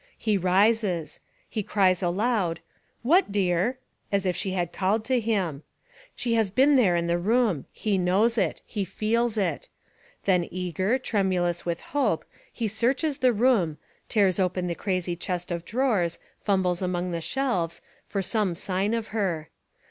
He rises. He cries aloud, "What, dear?" as If she had called to him. She has been there In the room. He knows It. He feels it. Then eager, tremulous with hope, he searches the room, tears open the crazy chest of drawers, fumbles upon the shelves, for some sign of her.